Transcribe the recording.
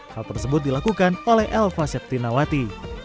hal tersebut dilakukan oleh elva septinawati